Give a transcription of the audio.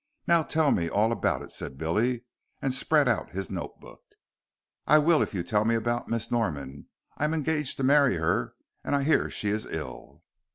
Now tell me all about it," said Billy, and spread out his note book. "I will if you'll tell me about Miss Norman. I'm engaged to marry her and I hear she is ill."